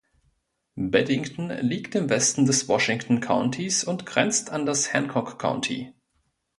Beddington liegt im Westen des Washington Countys und grenzt an das Hancock County.